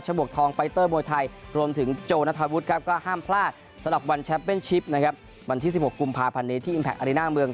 แล้วก็มีความสามารถความตอบในการยืนสู้เนี่ย